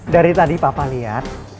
dari tadi papa liat